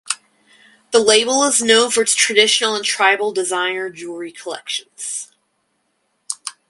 The label is known for its traditional and tribal designer jewellery collections.